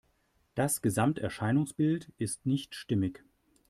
Das Gesamterscheinungsbild ist nicht stimmig.